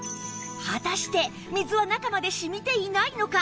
果たして水は中まで染みていないのか？